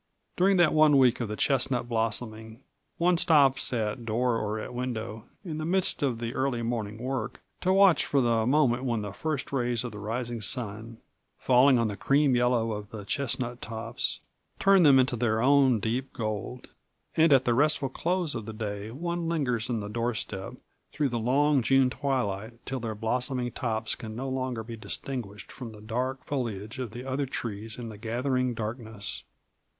During that one week of the chestnut blossoming one stops at door or at window in the midst of the early morning work to watch for the moment when the first rays of the rising sun, falling on the cream yellow of the chestnut tops, turn them into their own deep gold; and at the restful close of day one lingers on the doorstep through the long June twilight till their blossoming tops can no longer be distinguished from the dark foliage of the other trees in the gathering darkness.